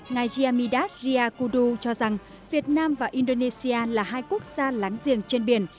ngài riyamizat riyakudu cho rằng việt nam và indonesia là hai quốc gia láng giềng trên biển